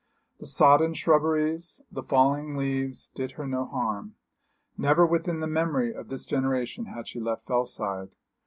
The sodden shrubberies, the falling leaves, did her no harm. Never within the memory of this generation had she left Fellside.